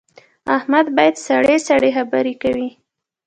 احمد بیا سړې سړې خبرې کوي.